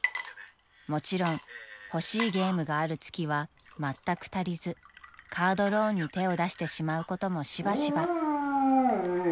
［もちろん欲しいゲームがある月はまったく足りずカードローンに手を出してしまうこともしばしば］